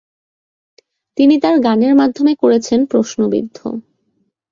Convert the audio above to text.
তিনি তার গানের মাধ্যমে করেছেন প্রশ্নবিদ্ধ।